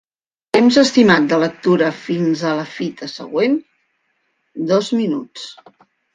Temps estimat de lectura fins a la fita següent: dos minuts.